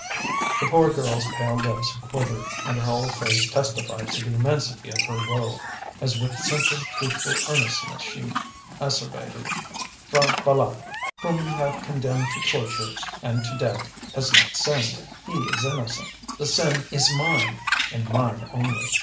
The poor girl's pale lips quivered, and her whole face testified to the immensity of her woe, as with simple, truthful earnestness she asseverated: "P'hra Bâlât, whom you have condemned to torture and to death, has not sinned. He is innocent. The sin is mine, and mine only.